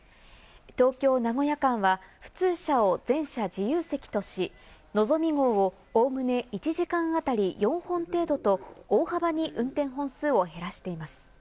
東京−名古屋間は普通車を全車自由席とし、のぞみ号をおおむね１時間あたり４本程度と、大幅に運転本数を減らしています。